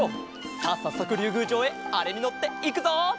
さあさっそくりゅうぐうじょうへあれにのっていくぞ！